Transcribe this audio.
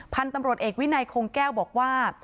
พันธุ์ตำรวจเอกวินัยคงแก้วบอกว่า